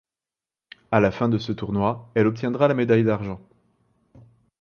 A la fin de ce tournoi, elle obtiendra la médaille d’argent.